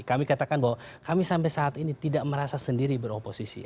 kami katakan bahwa kami sampai saat ini tidak merasa sendiri beroposisi